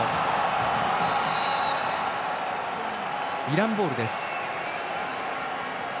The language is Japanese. イランボールです。